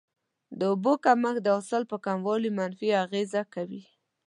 د اوبو کمښت د حاصل په کموالي منفي اغیزه کوي.